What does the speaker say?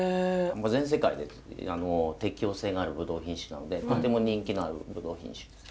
全世界で適応性があるブドウ品種なのでとても人気のあるブドウ品種です。